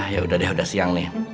ya udah deh udah siang nih